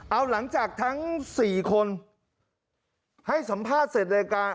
เอาหลังจากทั้ง๔คนให้สัมภาษณ์เสร็จรายการ